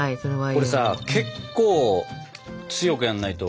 これさ結構強くやんないと。